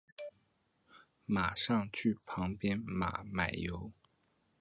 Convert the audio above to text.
马上去旁边买马油